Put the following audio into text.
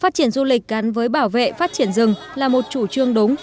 phát triển du lịch gắn với bảo vệ phát triển rừng là một chủ trương đúng